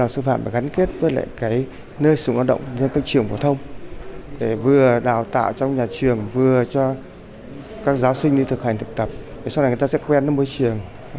sau này người ta sẽ quen với môi trường